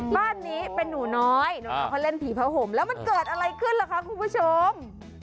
บ้านนี้เป็นหนูน้อยน้องเขาเล่นผีผ้าห่มแล้วมันเกิดอะไรขึ้นล่ะคะคุณผู้ชม